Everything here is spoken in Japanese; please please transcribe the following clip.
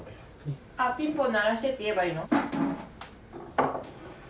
あっピンポン鳴らしてって言えばいいの？